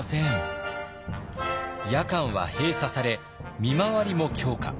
夜間は閉鎖され見回りも強化。